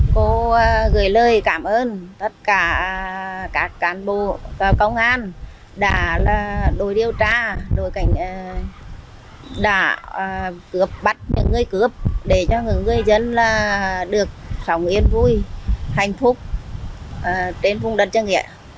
cô gửi lời cảm ơn tất cả các cán bộ và công an đã đổi điều tra đổi cảnh đã bắt những người cướp để cho người dân được sống yên vui hạnh phúc trên vùng đất trang nghĩa